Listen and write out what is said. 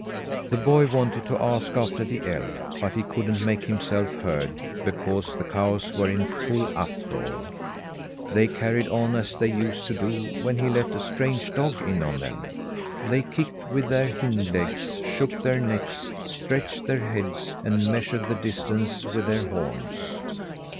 The boy wanted to ask after the elf, but he couldn't make himself heard because the cows were in full uproar. They carried on as they used to do when he let a strange dog in on them. They kicked with their hind legs, shook their necks, stretched their heads, and measured the distance with their horns.